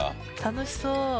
楽しそう。